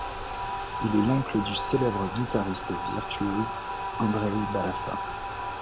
Il est l'oncle du célèbre guitariste virtuose Andrei Bǎlașa.